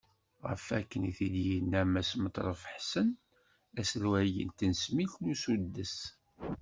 Ɣef wakken i t-id-yenna Mass Metref Ḥsen, aselway n tesmilt n usuddes.